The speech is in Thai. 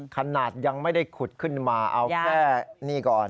ขนาดยังไม่ได้ขุดขึ้นมาเอาแค่นี่ก่อน